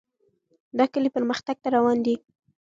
دا کلی پرمختګ ته روان دی.